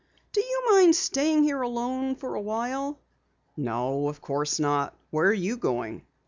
"Do you mind staying here alone for awhile?" "No, of course not. Where are you going?"